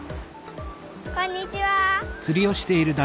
こんにちは。